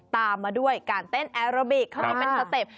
ตามมาด้วยการเต้นแอโรบิกเขาที่เป็นสเต็ป